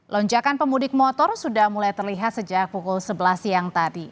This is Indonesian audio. lonjakan pemudik motor sudah mulai terlihat sejak pukul sebelas siang tadi